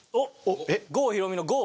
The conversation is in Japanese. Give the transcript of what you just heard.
郷ひろみの「ゴウ」。